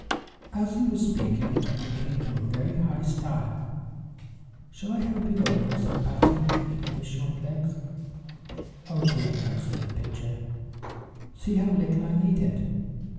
As he was speaking, they came to a very high stile. "Shall I help you over?" said Patty, thinking of his short legs. "Oh, dear, no," said the pitcher; "see how little I need it."